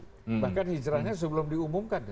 jadi kita harus mencari yang lainnya